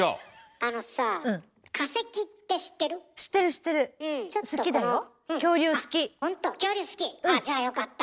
ああじゃあよかった。